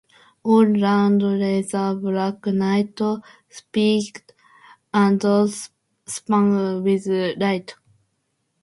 All round lay the black night, speckled and spangled with lights.